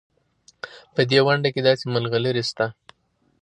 په دې ونډه کې داسې ملغلرې شته.